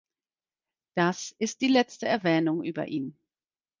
Das ist die letzte Erwähnung über ihn.